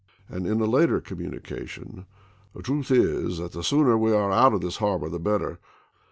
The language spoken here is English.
And in a later com \^, Z^} munication :" The truth is, that the sooner we are out of this harbor the better.